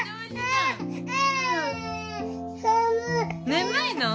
眠いの？